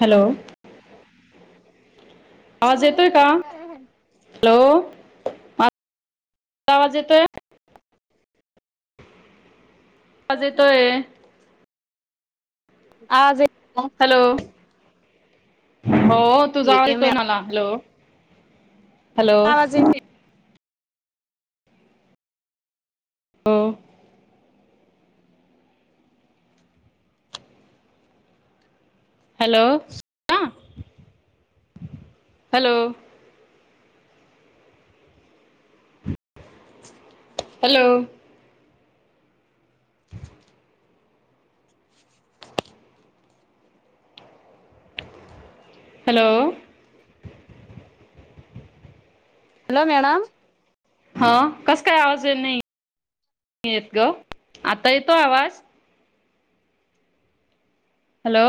Hello आवाज येतोय का [inaudible] हॅलो हा आवाज येतोय? आवाज येतोय. आज ये हॅलो. [unintelligible] हो तूझा आवाज येतोय मला हॅलो. हॅलो आवाज येते. अं. हॅलो आं hello. Hello. Hello. Hello madam हा कसं काय आवाज येत नाई येत गं, आता येतोय आवाज? हॅलो.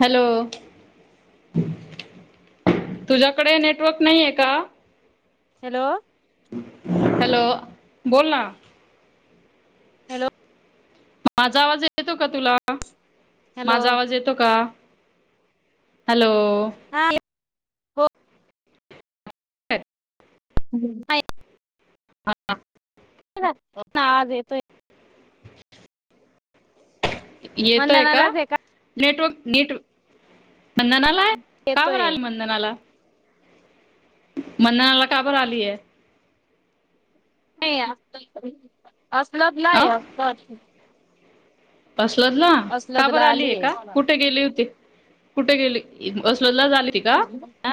हॅलो तुझ्याकडे नेटवर्क नाईये का? हॅलो. हॅलो बोल ना. हॅलो माजा आवाज येतो का तुला? हॅलो माझा आवाज येतो कां? हॅलो. हा हो हॅलो हा ये [inaudible] हा नाई आवाज येतोय. येतोय कां मंधनालाच आहे का नेटवर्क नीट मंदन आलाय का बर येतोय आलं मंदन आला? मण्णा आला का बरं आलीय? नाई आस्तं. [inaudible] आसलब अ नाई हा अफवा असेल बसलात ना का बरं आलीये आलीय का कुठं गेली होती? कुटं गेले [inaudible] आ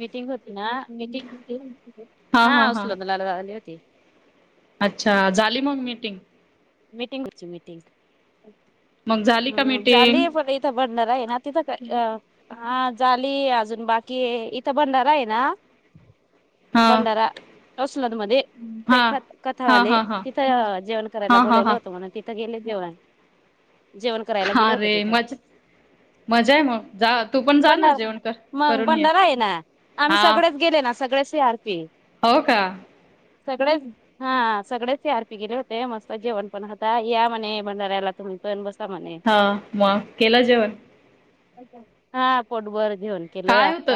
मीटिंग होती नां मीटिंग हा [inaudible] होते. अच्छा झाली मग मीटिंग. मीटिंग होती मीटिंग. मग झाली का हम् मीटिंग? झालीय पण इथं भंडारा आहे ना तिथं काय हा झाली अजून बाकी आहे इथं भंडारा आहे ना. हा भंडारा मध्ये ते हा हा कथावाले हा हा तिथं जेवण कराय हा हा बोलवलं हा होत मला तिथ गेले जेवाय. जेवण करायला गेले होते अरे तिथं मज मजा आहे मग जा तू पण जा ना भंडारा जेवण कर मंग करून ये. भंडारा आहे ना आम्ही हा सगळेच गेले ना सगळे सी आर पी हो का? सगळेच हा सगळेच ही आर पी गेले होते मस्त. जेवण पण होत या मणे भंडाऱ्याला तुम्ही पण म्हणे हा मग केल जेवण. हा पोट भर काय होत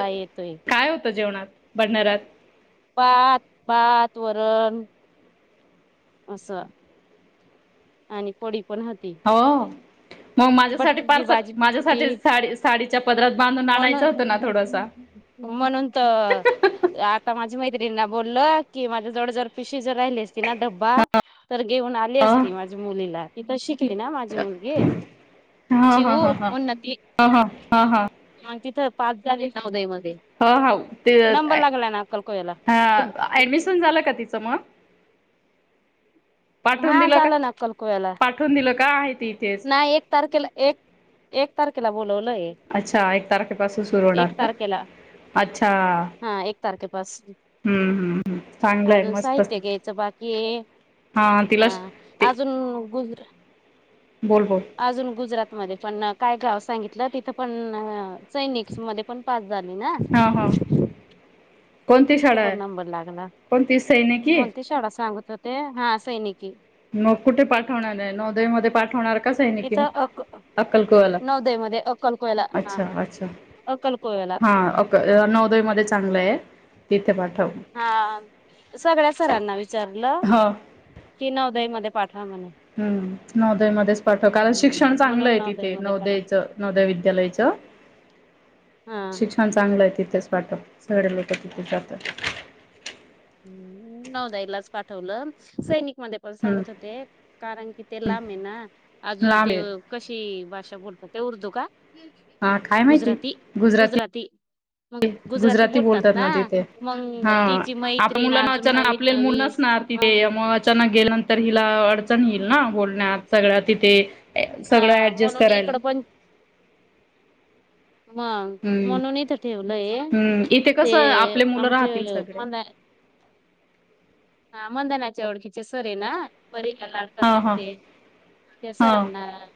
काय होतं जेवणात? भंडारात. भात भात वरण अस आणि पडी पण होती. हो मग माझ्यासाठी बटाट्याची पार्सल भाजी पण माझ्यासाठी होती साडी साडीच्या पदरात बांधून आणायचं होतं ना थोडसा म्हणून म्हणून तर आता माझी मै मैत्रीण ला बोललं की माझ्या जवळ जवळ पिशवी जर राहिली असती ती ना डब्बा तर घेऊन आली अ असती माझ्या मुलीला ती तशी. ना माझी मुलगी हा हा चिवू हा हा ह ह. हा हा. आण मग तिथं पाच झाले नवोदय मध्ये ह ह ते नंबर लागला ना अक्कलकोव्याला ह ऍडमिशन झालं का तिचं मग. पाठवून हा दिलं का झाला ना अक्कलकोव्याला पाठवून दिलं का आहे ती. इथेच नाही एक तारखेला एक तारखेला बोल. अच्छा एक तारखेपासून सुरू एक होणार का तारखेला अच्छा. तारखे हम्म हम्म हम्म. चांगलं आहे अजून मस्त साहित्य घ्यायचं बाकी हा ते अजून गुजरात बोल बोल अजून गुजरात मध्ये पण काय गव सांगितलं तिथं पण सैनिकमध्ये पण पस. झाली ना. हा हा कोणती तिथं शाळा आहे पण नंबर लागला कोणती सैनिकी कोणती शाळा सांगत हो. ते हा सैनिकी. मग कुठे पाठवणार आहे नौदयमध्ये पाठवणार का? कसं आहे न कि इथं अक अक्कलकुळला नवोदय मध्ये अक्कलकोयला हा अच्छा अच्छा अक्कलकोयला हा अक नौवदय मध्ये चांगलं आहे. [inaudible] हा सगळ्या सरांना विचारलं हो. की नौ दयमध्ये हम्म नौवदयमध्येच पाठव कारण, शिक्षण हम्म चांगलं म्हणून आहे नवोदय तिथे मध्ये नौवदयाच पाठवलं नौवदय विद्यालयच हा शिक्षण चांगलं आहे तिथेच पाठव सौर्या, निक्या तिथेच जातत. ह् नौवदायलाच पाठवलं सैनिक मध्ये पण सांगत हम्म होते, कारण की ते लांब आहे ना अजून लांब ते आहे. कशी ते बोलतात ते उर्दू का? हा काय माहिती गुजराती गुजराती मग गुजराती बोलतात ना, मग हा तिची मै आपण मुलांना अचानक आपल्याला मुलं नसणार तिथे मग अचानक गेल्यानंतर हिला अडचण. अडचण येईल ना बोलण्यात सगळ्यांत तिथे सगळं हा ऍडजस्ट म्हणून करायला इकड पण मग हम्म म्हणून इथं ठेवलंय हम्म इथे ते कसं आपले मुलं आमचे राहतील सगळे मना हा मंदनाचे ओळखीचे सर आहे ना बरी कदर हा करतात हा ते त्या हा सरनां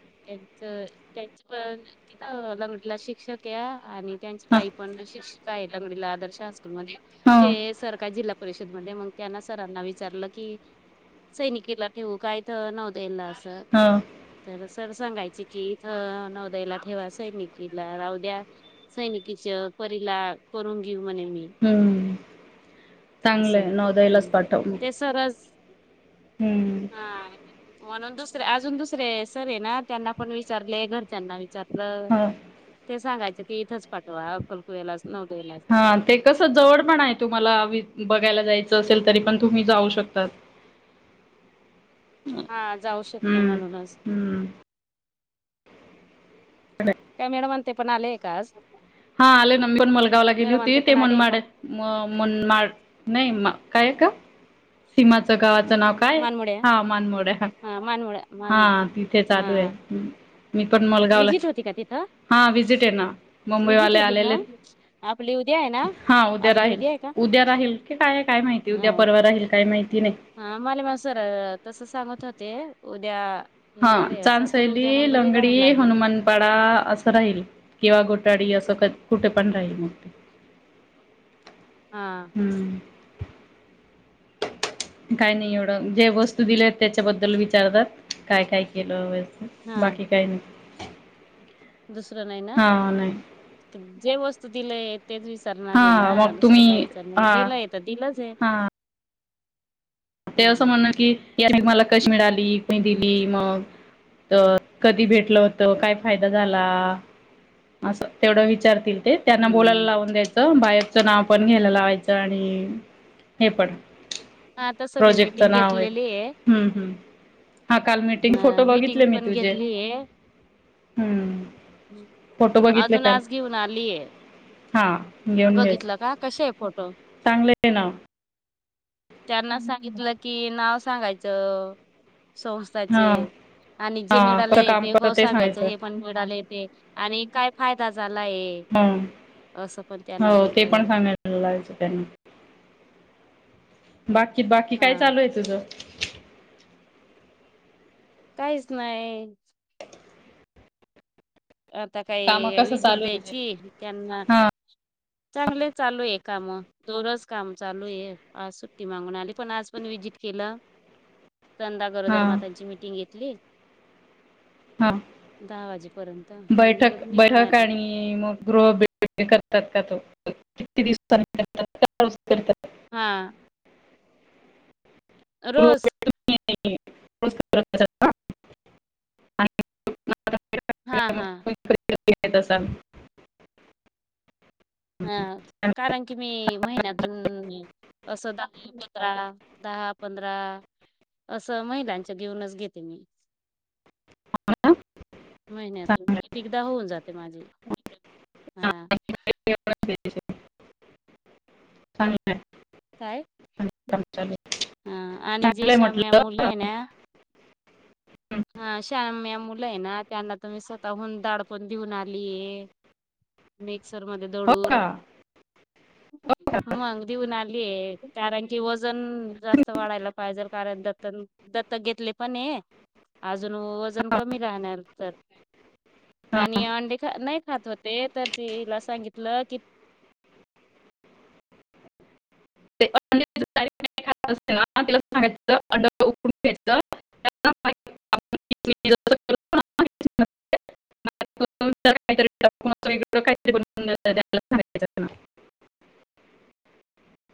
तर त्याचे पण तिथ लंगडीला शिक्षक या आणि त्यांची ह बाई पण अशीच काय लंगडीला आदर्श अस ह सरकार जिल्हा परिषदमध्ये मग त्यांना सरांना विचारलं की सैनिकेला ठेवू काय तर नौवदयला असं ह तेलाच तर सांगायचे कि इथं, नौवदयला ठेवा सैनिकीला राहुद्या, सैनिकीला परीला करून घेऊ म्हणे मी हम्म चांगल असं आहे नवोदयलाच हम्म पाठव म ते सरच हा म्हणून अजून दुसरे सर हायना त्यांना पण विचारले घरच्यांना त्यातलं ह ते सांगायच की इथंच पाठवा अकवळेला हा ते कस जवळ पण आहे तुम्हाला बघायला जायचं असेल तरी पण तुम्ही जाऊ शकतात हा जाऊ शकतो हम्म म्हणूनच हम्म त्या मॅडम ते पण आले का आज हा आले ना मी पण मलगावला गेली मॅडम होती ते पण आलेय मनमाड का म मनमाड नाही मग काय का सीमाच गावात नाव काय मानमोड्या हा मानमोड हा मानमोड्या हा मानमोड तिथे चालू हा आहे मी पण मलगावला विजिट होती का तिथं हा विजिट आहे ना विजिट मुंबईवाले होती आलेले का आपली उद्या आहे ना हा उद्या आपली राहील आहे का उद्या राहील काय काय माहिती उद्या परवा राहील काय माहिती नाही हा मला सरळ तसं सांगत होते उद्या हा येणार आहे असं तर उद्या चांदशैली मग घरी राहावं लंगडी लागेल हनुमानपाडा असं राहील किंवा घोटाडी असं [inaudible] कुठे पण राहील मग ते हा हम्म काय नाही एवढं जे वस्तू दिले आहेत त्याच्याबद्दल विचारतात काय काय केलं व हा बाकी काही नई दुसरं नाही ना नाही जे वस्त तू दिलय तेच विचारणाराय ना हा मग दुसरं काय तुम्ही विचारणार हा दिलंय तर दिलंचाय हा ते असं म्हण की यानी मला कशी मिळाली दिली मग तर कधी भेटलं होतं काय फायदा झाला असं तेवढं विचारतील ते त्यांना बोलायला हम्म लावून द्यायचं बाहेर च नाव पण घ्यायला लावायचं आणि हे पण हा तसं मी प्रोजेक्ट तर मीटिंग नावय घेतलेली आहे हो हम्म हम्म हा काल मीटिंग हा फोटो मीटिंग बघितले मी पण तुझे घेतली हम्म ह फोटो बघितले अजून काल आज घेऊन आलीय हा घेऊन घ्यायच बघितलं का कसेय फोटो चांगलं आहे ना त्यांना सांगितलं कि नाव सांगायचं हा संस्थाचे आणि जे हा कसं मिळाले काम ते भ करत सांगायचं हे पण मिळाले आणि काय फायदा झालाय ह असं पण त्यांना हो ते बोललंय पण सांगायला लावायचं त्यांना - बाकी बाकी काय हा चालूय तुझ काहीच नाई आता काम काही कसं विजिट चालू आहे तुझे द्यायची त्यांना हा चांगले चालूय काय म दरोज काम चालू आहे आज सुट्टी मागून आली पण आज पण विजिट केलं चंदा हा गरोदर मातांची मिटिंग घेतली हा दहा वाजेपर्यंत मग बैठक इकडून निघून बैठक आले आणि मग गृह [unintelligible] करतात का तो किती दिवसां [unintelligible] हा गृह रोस [unintelligible] हा हा. [unintelligible] हो आणि कारण की मी महिन्यातून असं दहा पधरा दहा पंधरा असं महिलांच घेऊनच घेते मी महिन्यातून किती? होऊन जाते माझी हा [unintelligible] चांगलंय हाय. काय? [unintelligible] हा आणि जे चांगलं आहे श्याम्या म्हटलं मुलं आहे ना हं. हा श्याम्या मुली त्यांना तु स्वतःहून दाडपण देऊन आलीय मी सर मध्ये हो का दौडून हो का मग दिऊन आलीय कारण की वजन जास्त वाढायला पाहिजेल कारण दत्तन दत्तक घेतले पण हे. अजून वजन हा, कमी राहणार, तर हा. आणि अंडे ख नाही खात होते, तर तिला सांगितलं कि. ते अंडी जर नाही [unintelligible]